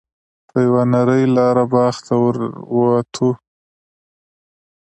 په یوه نرۍ لاره باغ ته ور ووتو.